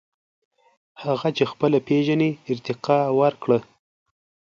• هغه چې خپله پېژنې، ارتقاء ورکړه.